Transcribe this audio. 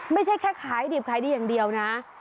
ไม่ใช่แค่ขายดิบขายดีอย่างเดียวนะ